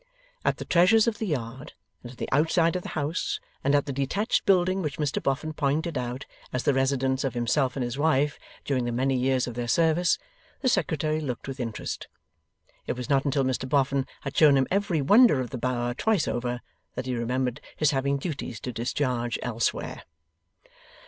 At the treasures of the yard, and at the outside of the house, and at the detached building which Mr Boffin pointed out as the residence of himself and his wife during the many years of their service, the Secretary looked with interest. It was not until Mr Boffin had shown him every wonder of the Bower twice over, that he remembered his having duties to discharge elsewhere.